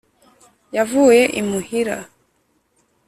Yavuye i Muhura